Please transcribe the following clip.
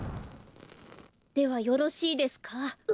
ではよろしいですか？